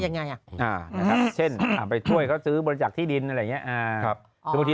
ยังไงอ่ะนะครับเช่นไปช่วยเขาซื้อบริจักษ์ที่ดินอะไรอย่างนี้